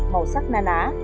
màu sắc naná